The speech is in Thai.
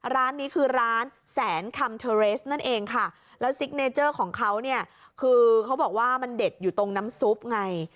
ร้านนี้คือร้านแสนคัมเทอร์เรสนั่นเองค่ะแล้วซิกเนเจอร์ของเขาเนี่ยคือเขาบอกว่ามันเด็ดอยู่ตรงน้ำซุปไง